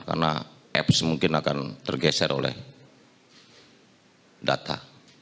karena apps mungkin akan tergeser oleh data